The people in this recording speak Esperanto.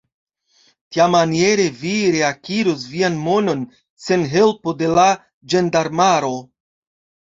Tiamaniere, vi reakiros vian monon, sen helpo de la ĝendarmaro.